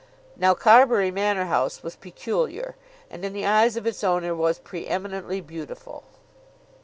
Now Carbury Manor House was peculiar, and in the eyes of its owner was pre eminently beautiful.